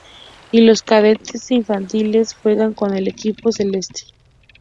Y los cadetes e infantiles juegan con el equipo celeste.